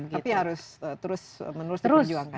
tapi harus terus menerus diperjuangkan